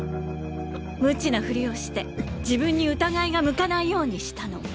無知なフリをして自分に疑いが向かないようにしたの。